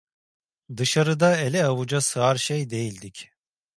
Dışarıda ele avuca sığar şey değildik.